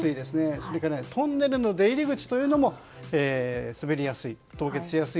それからトンネルの出入り口も滑りやすい。